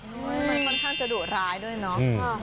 มันค่อนข้างจะดุร้ายด้วยเนาะ